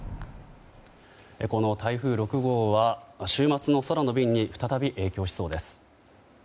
台風６号は週末の空の便に再び影響しそうです。